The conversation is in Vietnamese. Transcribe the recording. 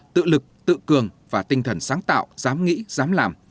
tự cường và tinh thần sáng tạo dám nghĩ dám làm